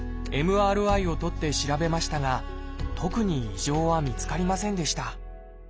ＭＲＩを撮って調べましたが特に異常は見つかりませんでした。